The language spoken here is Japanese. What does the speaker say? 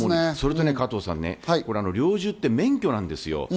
それでね加藤さん、猟銃って免許なんですよ。